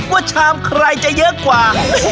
ชามใครจะเยอะกว่า